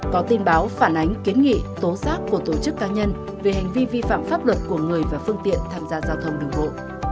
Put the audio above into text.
có tin báo phản ánh kiến nghị tố giác của tổ chức cá nhân về hành vi vi phạm pháp luật của người và phương tiện tham gia giao thông đường bộ